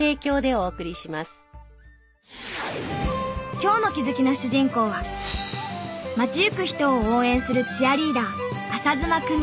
今日の気づきの主人公は街行く人を応援するチアリーダー朝妻久実。